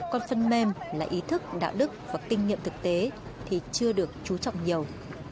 còn phần mềm là ý thức đạo đức và kinh nghiệm thực tế thì chưa được trú trọng nhiều